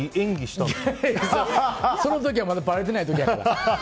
その時はまだばれてない時やから。